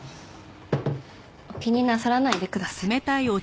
お気になさらないでください。